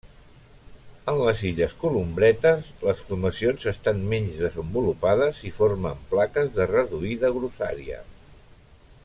En les Illes Columbretes les formacions estan menys desenvolupades i formen plaques de reduïda grossària.